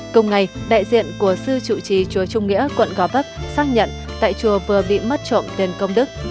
cùng ngày đại diện của sư chủ trì chùa trung nghĩa quận gò vấp xác nhận tại chùa vừa bị mất trộm tiền công đức